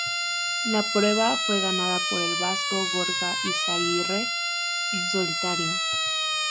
La prueba fue ganada por el vasco Gorka Izagirre en solitario.